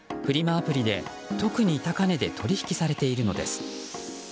アプリで特に高値で取引されているのです。